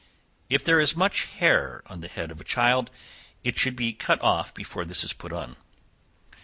If there is much hair on the head of a child, it should be cut off before this is put on.